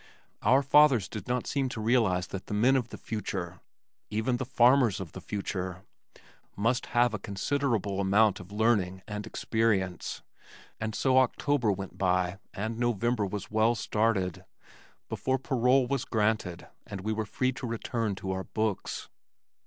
Our fathers did not seem to realize that the men of the future (even the farmers of the future) must have a considerable amount of learning and experience, and so October went by and November was well started before parole was granted and we were free to return to our books.